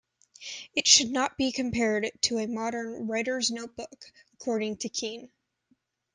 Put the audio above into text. It should not be compared to a modern 'writer's notebook', according to Keene.